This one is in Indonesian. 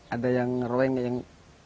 ada yang ngeroeng